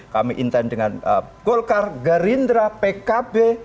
kami intent dengan golkar gerindra pkb